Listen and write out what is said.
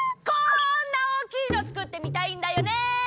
こんな大きいのつくってみたいんだよね！